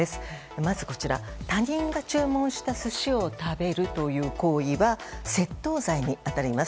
まず、他人が注文した寿司を食べるという行為は窃盗罪に当たります。